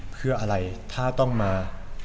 เพื่ออะไรฮะก็ต้องมา